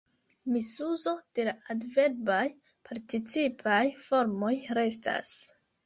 Misuzo de la adverbaj participaj formoj restas.